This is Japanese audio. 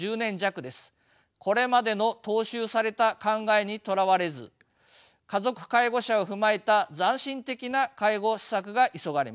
これまでの踏襲された考えにとらわれず家族介護者を踏まえた斬新的な介護施策が急がれます。